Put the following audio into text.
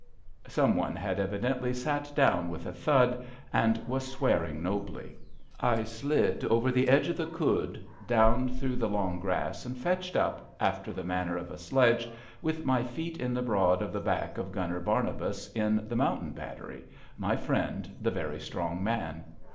Some one had evidently sat down with a thud, and was swearing nobly. I slid over the edge of the khud, down through the long grass, and fetched up, after the manner of a sledge, with my feet in the broad of the back of Gunner Barnabas in the Mountain Battery, my friend, the very strong man.